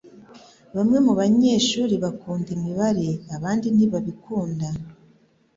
Bamwe mubanyeshuri bakunda imibare abandi ntibabikunda